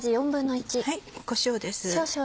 こしょうです。